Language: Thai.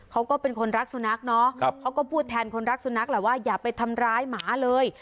เขาก็เป็นคนรักสุนัขเนาะเขาก็พูดแทนคนรักสุนัขแหละว่าอย่าไปทำร้ายหมาเลย